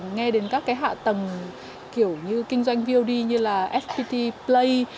nghe đến các cái hạ tầng kiểu như kinh doanh vod như là fpt play